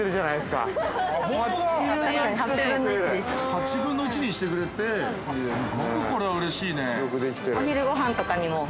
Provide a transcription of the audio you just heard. ８分の１にしてくれて、すごくこれはうれしいね。